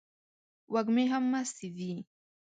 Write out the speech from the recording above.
وږمې هم مستې دي